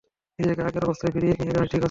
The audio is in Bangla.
নিজেকে আগের অবস্থায় ফিরিয়ে নিয়ে যাও, ঠিক আছে?